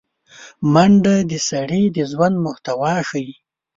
منډه د سړي د ژوند محتوا ښيي